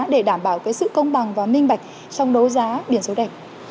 để đảm bảo sự công bằng và minh bạch trong đấu giá biển số đẹp